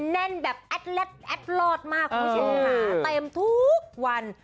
แน่นแบบแอดเล็ดแอดรอดมากคุณผู้ชมค่ะเต็มทุกวัน